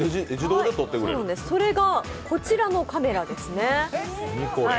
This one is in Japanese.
それがこちらのカメラですね。